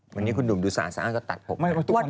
วันนี้คุณดุมดูสะอาดสะอาดก็ตัดผม